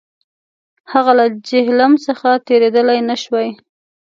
هغه له جیهلم څخه تېرېدلای نه شوای.